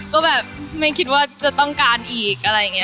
ก็แบบไม่คิดว่าจะต้องการอีกอะไรอย่างนี้